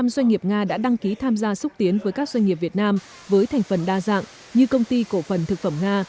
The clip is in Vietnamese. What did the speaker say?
một mươi doanh nghiệp nga đã đăng ký tham gia xúc tiến với các doanh nghiệp việt nam với thành phần đa dạng như công ty cổ phần thực phẩm nga